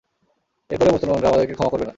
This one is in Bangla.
এরপরেও মুসলমানরা আমাদেরকে ক্ষমা করবে না।